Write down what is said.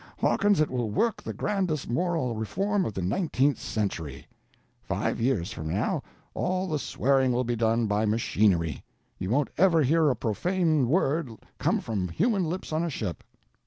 Hawkins, it will work the grandest moral reform of the 19th century. Five years from now, all the swearing will be done by machinery—you won't ever hear a profane word come from human lips on a ship.